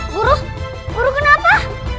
guru guru kenapa